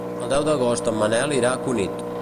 El deu d'agost en Manel irà a Cunit.